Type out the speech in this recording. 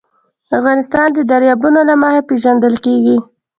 افغانستان د دریابونه له مخې پېژندل کېږي.